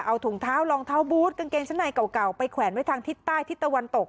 เอาถุงเท้ารองเท้าบูธกางเกงชั้นในเก่าไปแขวนไว้ทางทิศใต้ทิศตะวันตก